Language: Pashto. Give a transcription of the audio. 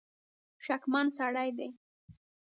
شکمن سړی دی.